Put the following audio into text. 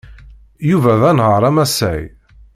Yuba d anehhaṛ amasay.